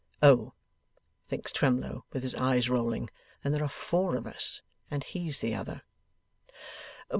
['Oh!' thinks Twemlow, with his eyes rolling, 'then there are four of us, and HE'S the other.